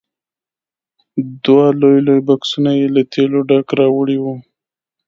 دوه لوی لوی بکسونه یې له تېلو ډک راوړي وو.